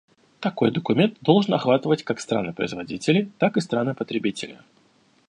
Такой документ должен охватывать как страны-производители, так и страны-потребители.